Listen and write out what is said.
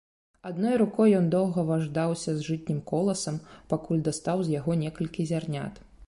Адной рукой ён доўга важдаўся з жытнім коласам, пакуль дастаў з яго некалькі зярнят.